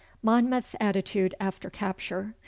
Monmouth's Attitude after Capture.